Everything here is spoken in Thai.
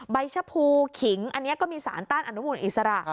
ชะพูขิงอันนี้ก็มีสารต้านอนุมูลอิสระ